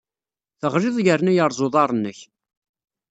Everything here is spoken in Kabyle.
Teɣliḍ yerna yerreẓ uḍar-nnek.